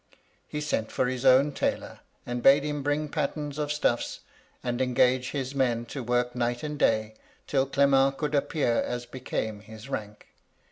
He sent for his own tailor, and bade him bring patterns of stufis, and engage his men to work night and day till Clement could appear as became his rank.